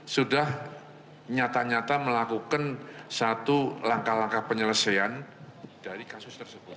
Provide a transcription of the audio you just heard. sudah nyata nyata melakukan satu langkah langkah penyelesaian dari kasus tersebut